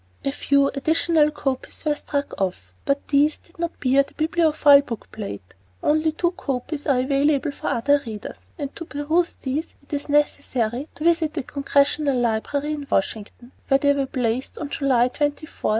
A few additional copies were struck off, but these did not bear the Bibliophile book plate. Only two copies are available for other readers, and to peruse these it is necessary to visit the Congressional Library in Washington, where they were placed on July 24, 1908.